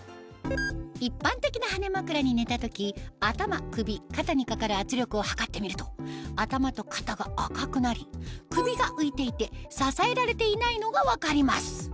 一般的な羽根枕に寝た時頭首肩にかかる圧力を測ってみると頭と肩が赤くなり首が浮いていて支えられていないのが分かります